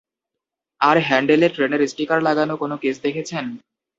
আর হ্যান্ডেলে ট্রেনের স্টিকার লাগানো কোনো কেস দেখেছেন?